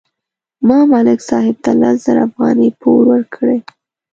ما ملک صاحب ته لس زره افغانۍ پور ورکړې.